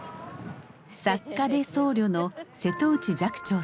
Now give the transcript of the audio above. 作家で僧侶の瀬戸内寂聴さん。